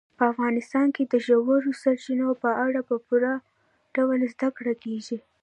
په افغانستان کې د ژورو سرچینو په اړه په پوره ډول زده کړه کېږي.